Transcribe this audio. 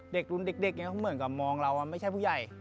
เด็กรุ่นเด็กเหมือนกับมองเราไม่ใช่ผู้ใหญ่